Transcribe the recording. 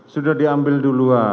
sudah diambil duluan